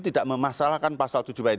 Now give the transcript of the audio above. tidak memasalahkan pasal tujuh ayat